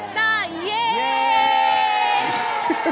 イエーイ！